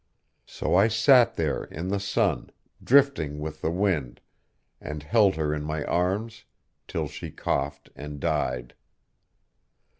So I sat there, in the sun, drifting with the wind, and held her in my arms till she coughed and died.